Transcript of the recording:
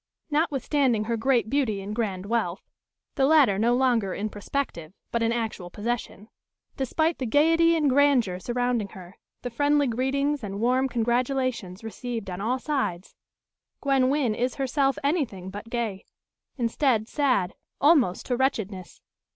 Notwithstanding her great beauty and grand wealth the latter no longer in prospective, but in actual possession despite the gaiety and grandeur surrounding her, the friendly greetings and warm congratulations received on all sides Gwen Wynn is herself anything but gay. Instead, sad, almost to wretchedness!